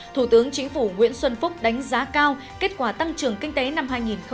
thủ tướng chính phủ nguyễn xuân phúc đánh giá cao kết quả tăng trưởng kinh tế năm hai nghìn một mươi tám